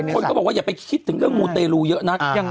คนก็บอกว่าอย่าไปคิดถึงเรื่องมูเตรลูเยอะนัก